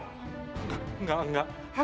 enggak enggak enggak